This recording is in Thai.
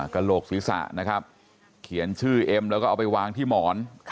กระโหลกศีรษะนะครับเขียนชื่อเอ็มแล้วก็เอาไปวางที่หมอน